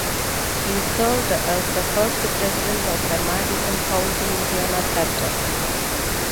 He served as the first president of the Madison County, Indiana chapter.